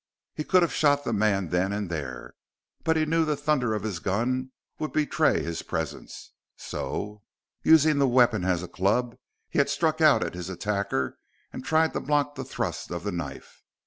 Wes could have shot the man then and there, but he knew the thunder of his gun would betray his presence; so, using the weapon as a club he had struck out at his attacker and tried to block the thrust of the knife.